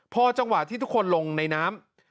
พอจังหวะที่ทุกคนลงในน้ำ